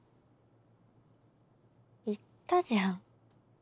言ったじゃん。